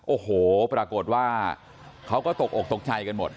โอ้โหปรากฏว่าเขาก็ตกอกตกใจกันหมด